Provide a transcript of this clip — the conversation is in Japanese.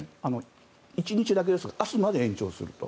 １日だけですが明日まで延長すると。